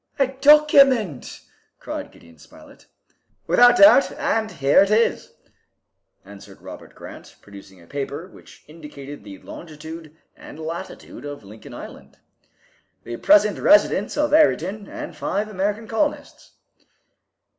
"A document!" cried Gideon Spilett. "Without doubt, and here it is," answered Robert Grant, producing a paper which indicated the longitude and latitude of Lincoln Island, "the present residence of Ayrton and five American colonists."